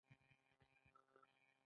آیا سینماګانې فعالې دي؟